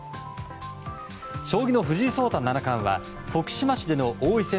将棋の藤井聡太七冠は徳島市での王位戦